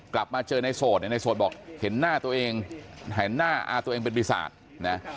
กลับมาเจอในโสดเนี่ยในโสดบอกเห็นหน้าตัวเองเห็นหน้าอาตัวเองเป็นปีศาจนะ